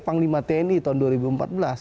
panglima tni tahun dua ribu empat belas